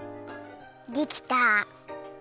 できた！